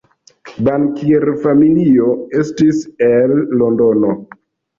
Bankierfamilio estis el Londono.